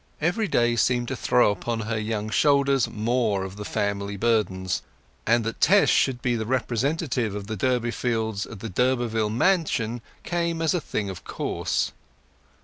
Every day seemed to throw upon her young shoulders more of the family burdens, and that Tess should be the representative of the Durbeyfields at the d'Urberville mansion came as a thing of course.